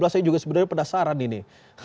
saya juga sebenarnya penasaran ini